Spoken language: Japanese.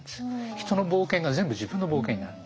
人の冒険が全部自分の冒険になる。